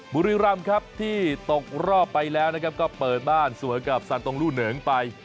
บุรีรำครับที่ตกรอบไปแล้วนะครับก็เปิดบ้านสวยกับซานตรงรูเหนิงไป